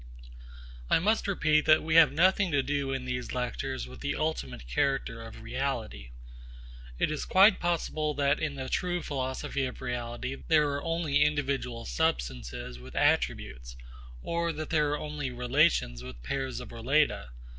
I must repeat that we have nothing to do in these lectures with the ultimate character of reality. It is quite possible that in the true philosophy of reality there are only individual substances with attributes, or that there are only relations with pairs of relata.